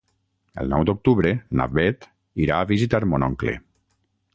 El nou d'octubre na Beth irà a visitar mon oncle.